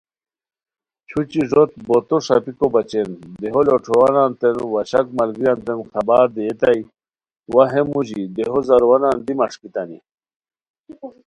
چھوچی ݱوت بوتو ݰاپیکو بچین دیہو لوٹھوروانتین وا شک ملگیریانتے خبر دیئتائے و ا ہے موژی دیہو زاروانان دی مݰکیتانی